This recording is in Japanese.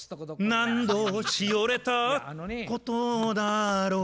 「何度萎れたことだろう」